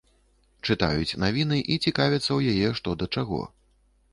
Чытаюць навіны і цікавяцца ў яе што да чаго.